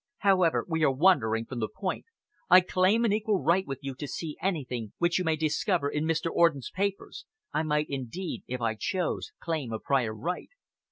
However, we are wandering from the point. I claim an equal right with you to see anything which you may discover in Mr. Orden's papers. I might, indeed, if I chose, claim a prior right."